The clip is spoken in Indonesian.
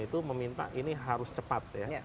itu meminta ini harus cepat ya